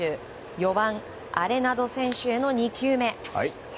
４番、アレナド選手への２球目。